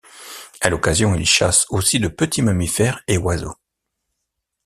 À l'occasion il chasse aussi de petits mammifères et oiseaux.